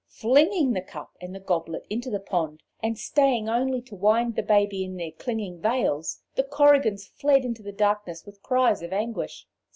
Flinging the cup and the goblet into the pond, and staying only to wind the baby in their clinging veils, the Korrigans fled into the darkness with cries of anguish.